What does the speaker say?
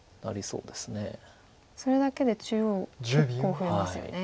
それだけで中央結構増えますよね。